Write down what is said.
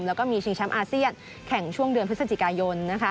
แล้วก็มีชิงแชมป์อาเซียนแข่งช่วงเดือนพฤศจิกายน